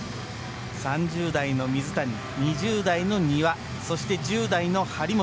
３０代の水谷、２０代の丹羽そして１０代の張本。